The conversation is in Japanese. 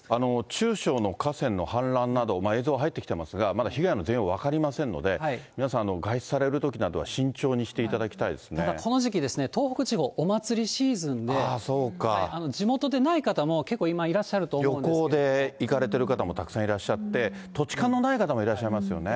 中小の河川の氾濫など、映像が入ってきていますが、まだ被害の全容分かりませんので、皆さん、外出されるときなどは慎この時期、東北地方、お祭りシーズンで、地元でない方も結構今、旅行で行かれてる方もたくさんいらっしゃって、土地勘のない方もいらっしゃいますよね。